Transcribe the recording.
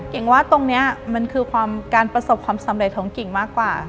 ว่าตรงนี้มันคือการประสบความสำเร็จของกิ่งมากกว่า